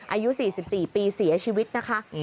อายุ๔๔ปีเสียชีวิตนะคะ